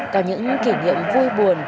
có những kỷ niệm vui buồn